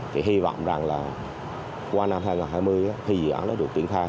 thì hy vọng rằng là qua năm hai nghìn hai mươi khi dự án nó được triển khai